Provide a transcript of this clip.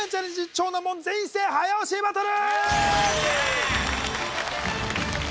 超難問全員一斉早押しバトル！